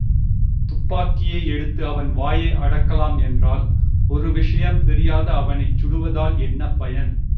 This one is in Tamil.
துப்பாக்கியை எடுத்து அவன் வாயை அடக்கலாம் என்றால் ஒரு விஷயம் அறியாத அவனைச் சுடுவதால் என்ன பயன்?